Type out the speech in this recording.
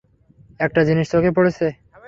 একটা জিনিস চোখে পড়েছে।